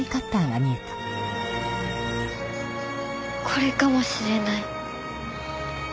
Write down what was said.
これかもしれない。